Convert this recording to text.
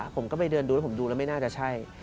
ผมก็ไปเดินดูแล้วผมดูแล้วไม่น่าจะใช่